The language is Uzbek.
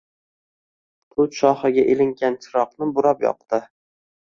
Tut shoxiga ilingan chiroqni burab yoqdi.